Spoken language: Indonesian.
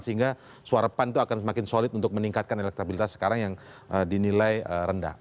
sehingga suara pan itu akan semakin solid untuk meningkatkan elektabilitas sekarang yang dinilai rendah